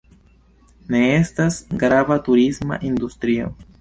Ne estas grava turisma industrio.